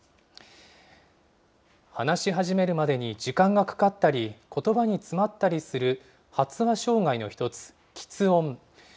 話し始めるまでに時間がかかったり、ことばに詰まったりする発話障害の一つ、きつ音。